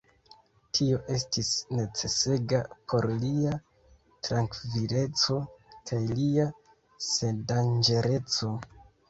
Tio estis necesega por lia trankvileco kaj lia sendanĝereco.